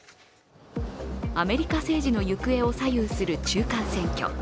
アメリカ政治の行方を左右する中間選挙。